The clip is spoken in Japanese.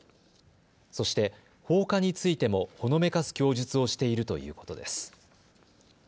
そして放火についてもほのめかす供述をしているということです。